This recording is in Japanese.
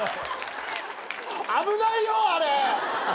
危ないよあれ！